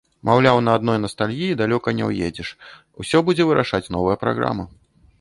Маўляў, на адной настальгіі далёка не ўедзеш, усё будзе вырашаць новая праграма.